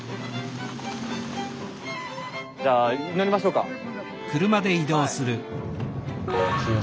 じゃあ乗りましょうかはい。